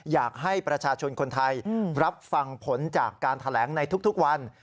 อยากให้ประชาชนคนไทยรับฟังผลจากการแถลงในทุกวัน